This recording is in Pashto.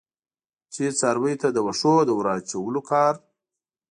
چې څارویو ته د وښو د ور اچولو کار.